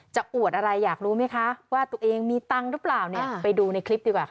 อวดอะไรอยากรู้ไหมคะว่าตัวเองมีตังค์หรือเปล่าเนี่ยไปดูในคลิปดีกว่าค่ะ